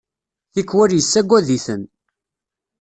Tikwal yessagad-iten.